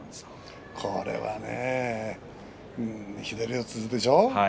これはね左四つでしょう。